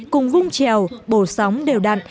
cùng vung trèo bổ sóng đều đặn